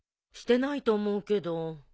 してないと思うけど。